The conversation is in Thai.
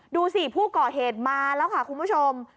ดูสิผู้ก่อเหตุมาแล้วค่ะคุณผู้ชม